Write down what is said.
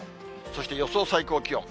そして予想最高気温。